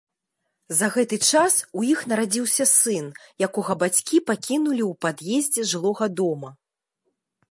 За гэты час у іх нарадзіўся сын, якога бацькі пакінулі ў пад'ездзе жылога дома.